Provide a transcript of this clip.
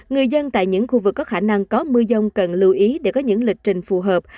người dân tại những khu vực có khả năng có mưa dông cần lưu ý để có những lịch trình phù hợp